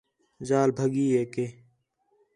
ذال بھڳی ہے کہ